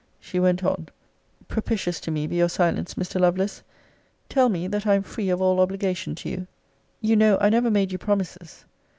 She went on: Propitious to me be your silence, Mr. Lovelace! Tell me, that I am free of all obligation to you. You know, I never made you promises.